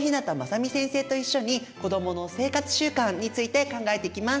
先生と一緒に子どもの生活習慣について考えていきます。